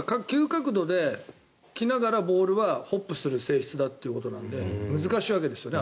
急角度で来ながらボールはホップする性質だというので難しいわけですよね。